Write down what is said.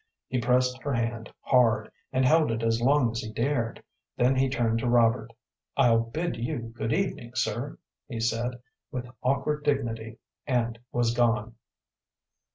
He pressed her hand hard, and held it as long as he dared; then he turned to Robert. "I'll bid you good evening, sir," he said, with awkward dignity, and was gone.